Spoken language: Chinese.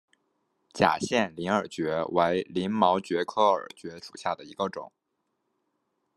假线鳞耳蕨为鳞毛蕨科耳蕨属下的一个种。